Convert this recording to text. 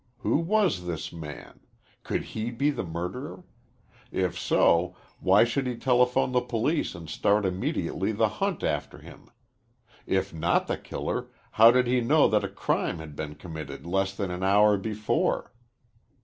Who was this man? Could he be the murderer? If so, why should he telephone the police and start immediately the hunt after him? If not the killer, how did he know that a crime had been committed less than an hour before?